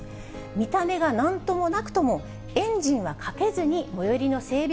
見た目がなんともなくても、エンジンはかけずに最寄りの整備